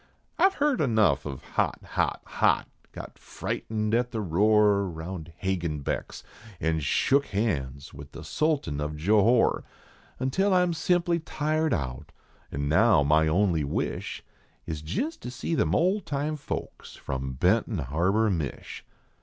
I ve heerd enough of Hot! hot! hot! got frightened at the roar Round Hagenbeck s, an shook hands with the sultan of Johore, Until I m simply tired out, an now my only wish Is jist to see them old time folks from Benton Harbor, Mich."